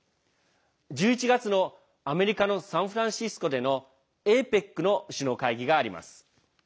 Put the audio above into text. １１月のアメリカのサンフランシスコでのＡＰＥＣの首脳会議があります。